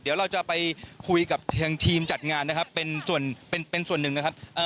เดี๋ยวเราจะไปคุยกับทางทีมจัดงานนะครับเป็นส่วนเป็นส่วนหนึ่งนะครับ